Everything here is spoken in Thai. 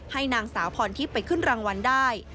นางสาวพรทิพย์ไปขึ้นรางวัลได้